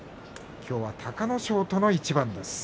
今日は隆の勝との一番です。